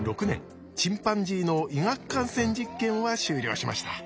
チンパンジーの医学感染実験は終了しました。